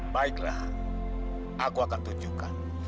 baiklah aku akan tunjukkan